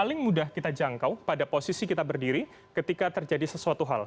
paling mudah kita jangkau pada posisi kita berdiri ketika terjadi sesuatu hal